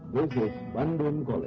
di sisi bandung kole